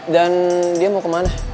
dan dia mau kemana